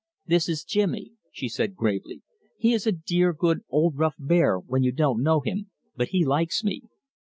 "This is Jimmy," said she gravely. "He is a dear good old rough bear when you don't know him, but he likes me.